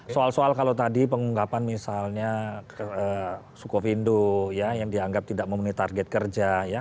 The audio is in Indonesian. soal soal kalau tadi pengungkapan misalnya sukovindo yang dianggap tidak memenuhi target kerja